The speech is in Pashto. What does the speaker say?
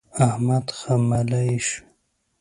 احمد خملۍ شو.